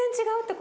違う。